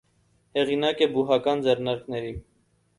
Հեղինակ է բուհական ձեռնարկների։